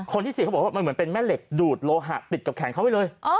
คนที่ฉีดเค้าบอกว่ามันแม่เหล็กดูดโลหะติดกับแขนเข้ามันเลย